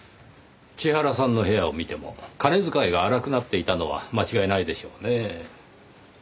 千原さんの部屋を見ても金遣いが荒くなっていたのは間違いないでしょうねぇ。